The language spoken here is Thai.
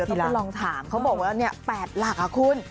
เออเดี๋ยวต้องคุณลองถามเขาบอกว่าเนี่ย๘หลักอ่ะคุณ